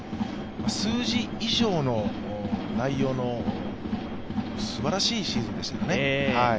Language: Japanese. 数字以上の内容のすばらしいシーズンでしたよね。